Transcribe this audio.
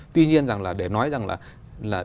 tuy nhiên là để nói rằng là